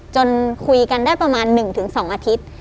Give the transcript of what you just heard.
จนคุยกันได้ประมาณ๑๒อาทิตย์